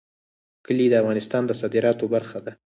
کلي د افغانستان د صادراتو برخه ده.